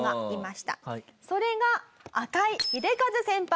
それが赤井英和先輩。